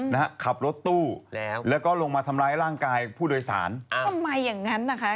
นะฮะขับรถตู้แล้วแล้วก็ลงมาทำร้ายร่างกายผู้โดยสารอ่าทำไมอย่างงั้นนะคะ